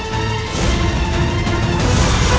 masa itu kekis